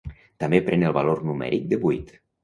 També pren el valor numèric de vuit.